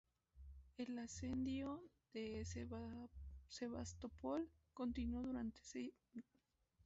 El asedio de Sebastopol continuó durante meses.